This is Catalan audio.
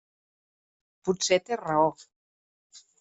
Potser té raó.